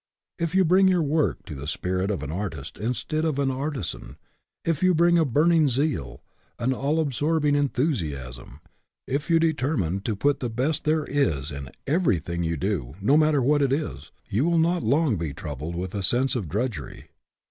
If you bring to your work the spirit of an artist, instead of an artisan if you bring a burning zeal, an all absorbing enthusiasm if you determine to put the best there is in you in everything you do, no matter what it is, you will not long be troubled with a sense of drudgery.